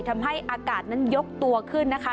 ทำให้อากาศนั้นยกตัวขึ้นนะคะ